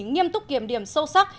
nghiêm túc kiểm điểm sâu sắc